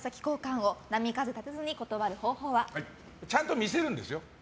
ちゃんと見せるんですよ。